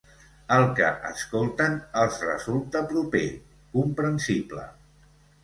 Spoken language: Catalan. El que escolten els resulta proper, comprensible.